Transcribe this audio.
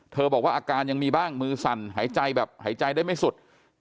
บอกว่าอาการยังมีบ้างมือสั่นหายใจแบบหายใจได้ไม่สุด